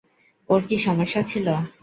ওর কী সমস্যা ছিল?